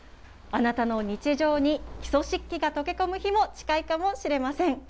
あなたの日常に木曽漆器が溶け込む日も、近いかもしれません。